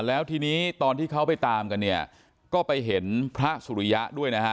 แล้วทีนี้ตอนที่เขาไปตามกันเนี่ยก็ไปเห็นพระสุริยะด้วยนะฮะ